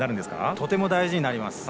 とても大事になります。